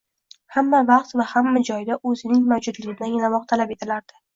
— hamma vaqt va hamma joyda o‘zining mavjudligini anglamoq talab etilardi.